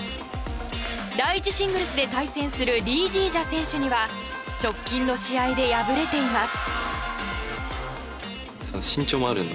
第１シングルスで対戦するリー・ジージャ選手には直近の試合で敗れています。